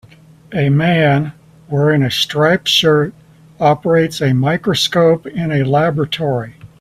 A man, wearing a striped shirt, operates a microscope in a laboratory.